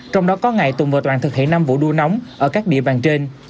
trong đó có ngày tuần vừa toàn thực hiện năm vụ đua nóng ở các địa bàn trên